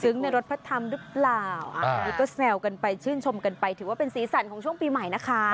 ซึ้งในรสพัดทำรึเปล่าก็แซวกันไปชื่นชมกันไปถือว่าเป็นสีสั่นของช่วงปีใหม่นะคะ